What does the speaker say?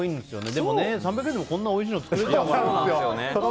でも３００円でも、こんなにおいしいもの作れちゃうから。